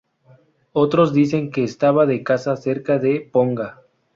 Otros dicen que estaba de caza cerca de Ponga.